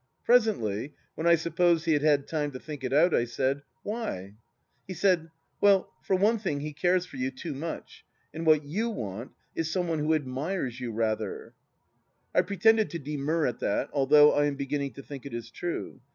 Presently, when I supposed he had had time to think it out, I said, " Why ?" He said, " Well, for one thing he cares for you, too much ; and what you want is some one who admires you, rather 1 " I pretended to demur at that, although I am beginning to think it is true.